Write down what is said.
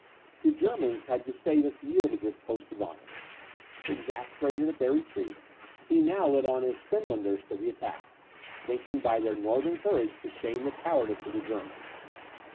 To Germans had Gustavus yielded this post of honour. Exasperated at their retreat, he now led on his Finlanders to the attack, thinking, by their northern courage, to shame the cowardice of the Germans.